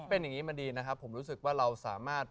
เป็นอย่างนี้มาดีนะครับผมรู้สึกว่าเราสามารถ